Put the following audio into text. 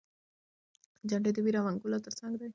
جنډې د ویر او انګولاوو تر څنګ دي.